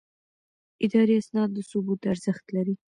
اداري اسناد د ثبوت ارزښت لري.